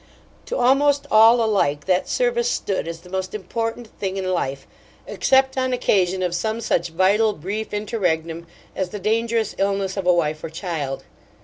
To almost all alike that service stood as the most important thing in life, except on occasion of some such vital, brief interregnum as the dangerous illness of a wife or child.